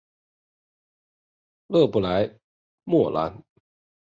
勒布莱莫兰。